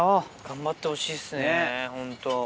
頑張ってほしいですねホント。